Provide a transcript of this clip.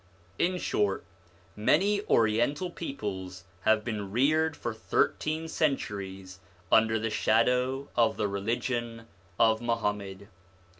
In short, many Oriental peoples have been reared for thirteen centuries under the shadow of the religion of Muhammad.